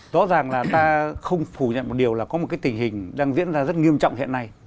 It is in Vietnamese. rõ ràng là ta không phủ nhận một điều là có một cái tình hình đang diễn ra rất nghiêm trọng hiện nay